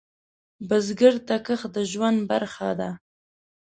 بزګر ته کښت د ژوند برخه ده